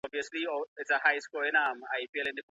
که ماشوم ونه هڅول سي نو خپله وړتیا له لاسه ورکوي.